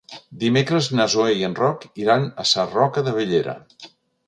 Dimecres na Zoè i en Roc iran a Sarroca de Bellera.